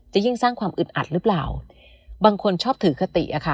ยิ่งสร้างความอึดอัดหรือเปล่าบางคนชอบถือคติอะค่ะ